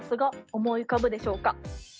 思い浮かぶでしょうか？